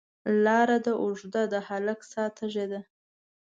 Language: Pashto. لار ده اوږده، د هلک ساه تږې ده